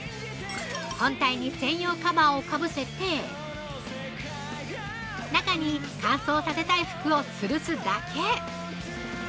本体に専用カバーを被せて中に乾燥させたい服をつるすだけ。